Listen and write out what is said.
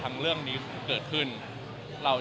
คือแฟนคลับเขามีเด็กเยอะด้วย